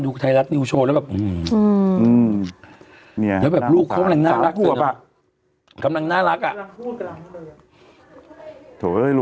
ดูไทยรักนิวโชว์แล้วแบบแบบลูกเขาแค่น่ารักน่ารักอะโถย